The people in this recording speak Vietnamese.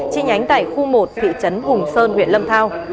chi nhánh tại khu một thị trấn hùng sơn huyện lâm thao